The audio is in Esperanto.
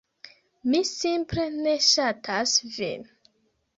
Mi simple ne ŝatas vin.